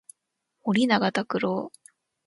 森永卓郎